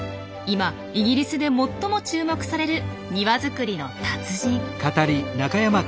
今イギリスで最も注目される庭づくりの達人。